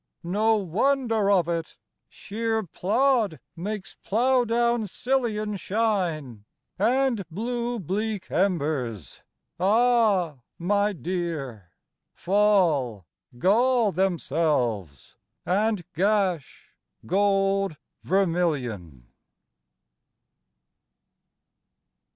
No wonder of it: shéer plód makes plough down sillion Shine, and blue bleak embers, ah my dear, Fall, gall themselves, and gash gold vermillion.